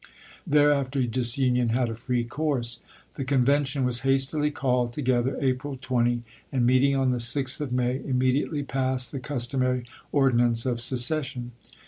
Thereafter disunion had a free course. The convention was hastily called together April 20, and, meeting on the 6th of May, immediately passed the customary ordi nance of secession.